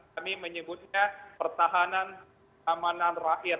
kami menyebutnya pertahanan keamanan rakyat